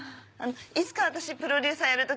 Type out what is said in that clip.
いつか私プロデューサーやる時